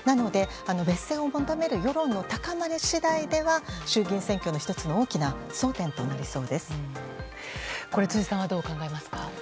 別姓を求める世論の高まり次第では衆議院選挙の１つの大きな辻さんはどう考えますか？